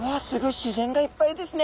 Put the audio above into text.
自然がいっぱいですね。